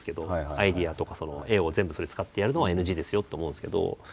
アイデアとか絵を全部それを使ってやるのはＮＧですよって思うんですけど。